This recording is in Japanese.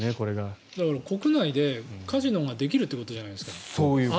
だから、国内でカジノができるということじゃないですか。